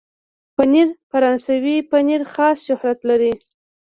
پنېر فرانسوي پنېر خاص شهرت لري.